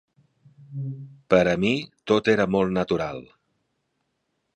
Per a mi tot era molt natural.